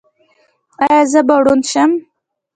ایا زه به ړوند شم؟